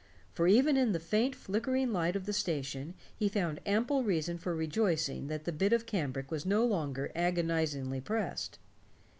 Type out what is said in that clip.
For even in the faint flickering light of the station he found ample reason for rejoicing that the bit of cambric was no longer agonizingly pressed.